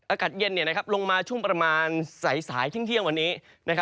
อากาศเย็นลงมาช่วงประมาณสายเที่ยงวันนี้